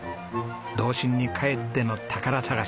童心に帰っての宝探し。